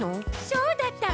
そうだった！